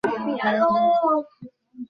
সে, যে চন্দ্রের নিয়ম মানে তার নিয়মই আলাদা।